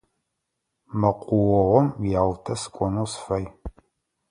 Мэкъуогъум Ялтэ сыкӏонэу сыфай.